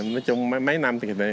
nói chung mấy năm